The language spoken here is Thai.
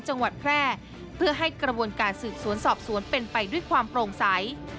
จังหวัดแพร่เพื่อให้กระบวนการสืบสวนสอบสวนเป็นไปด้วยความโปร่งใส